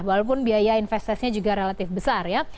walaupun biaya investasinya juga relatif besar ya